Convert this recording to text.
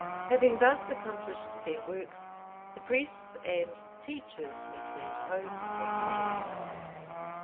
Having thus accomplished their works, the priests and teachers returned home with joy.